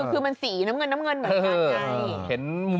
คือมันสีน้ำเงินเหมือนกันไง